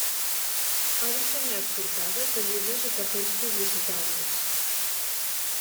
Ha dissenyat portades de llibres i cartells publicitaris.